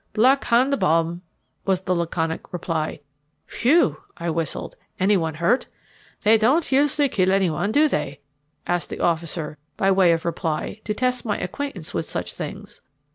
"Black Hand bomb," was the laconic reply. "Whew!" I whistled. "Anyone hurt?" "They don't usually kill anyone, do they?" asked the officer by way of reply to test my acquaintance with such things.